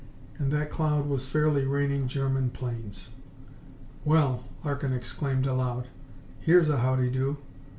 And that cloud was fairly raining German planes! "Well!" Larkin exclaimed aloud. "Here's a howdy do!"